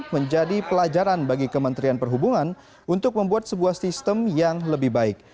menjadi pelajaran bagi kementerian perhubungan untuk membuat sebuah sistem yang lebih baik